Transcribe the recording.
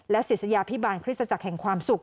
ศิษยาพิบาลคริสตจักรแห่งความสุข